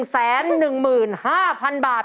๑แสน๑หมื่น๕พันบาท